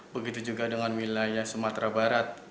begitu juga dengan wilayah sumatera barat